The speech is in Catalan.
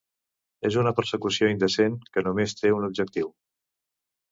És una persecució indecent que només té un objectiu.